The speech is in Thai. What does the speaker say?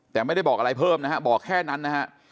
แต่ไม่ได้บอกอะไรเพิ่มนะฮะบอกแค่นั้นนะฮะ